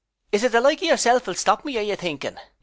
] Is it the like of yourself will stop me, are you thinking?